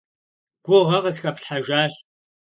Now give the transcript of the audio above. Гугъэ къысхэплъхьэжащ.